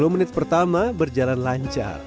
sepuluh menit pertama berjalan lancar